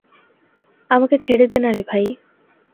আমাকে ছেড়ে দে নারে ভাই।